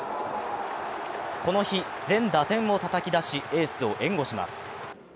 この日、全打点をたたき出しエースを援護します。